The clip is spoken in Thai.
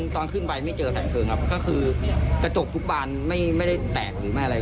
ตอนขึ้นไปไม่เจอแสงเพลิงครับก็คือกระจกทุกบานไม่ได้แตกหรือไม่อะไร